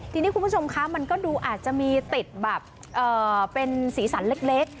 ทีนี้คุณผู้ชมคะมันก็ดูอาจจะมีติดแบบเป็นสีสันเล็ก